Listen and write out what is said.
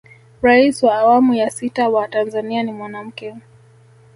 rais wa awamu ya sita wa tanzania ni mwanamke